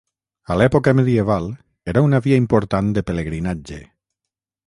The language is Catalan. A l'època medieval era una via important de pelegrinatge.